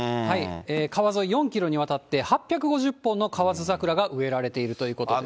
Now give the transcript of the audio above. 川沿い４キロにわたって、８５０本の河津桜が植えられているということです。